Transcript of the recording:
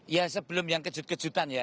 ya sebelum yang kejut kejutan ya